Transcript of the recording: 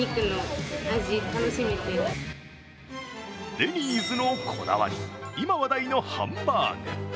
デニーズのこだわり、今話題のハンバーグ。